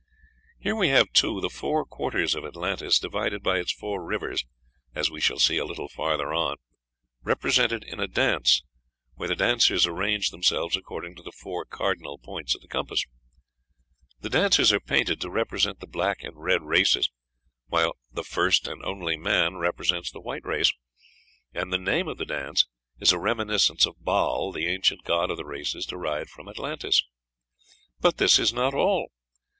Here we have, too, the four quarters of Atlantis, divided by its four rivers, as we shall see a little farther on, represented in a dance, where the dancers arrange themselves according to the four cardinal points of the compass; the dancers are painted to represent the black and red races, while "the first and only man" represents the white race; and the name of the dance is a reminiscence of Baal, the ancient god of the races derived from Atlantis. But this is not all.